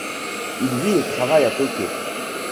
Il vit et travaille à Tokyo.